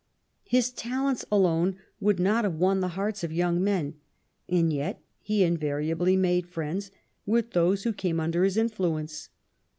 His talents alone would not have won the hearts of young men, and yet he invariably made friends with those who came under his influence.